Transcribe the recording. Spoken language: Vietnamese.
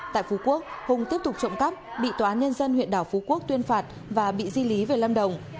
tại phú quốc hùng tiếp tục trộm cắp bị tòa án nhân dân huyện đảo phú quốc tuyên phạt và bị di lý về lâm đồng